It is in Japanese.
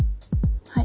はい。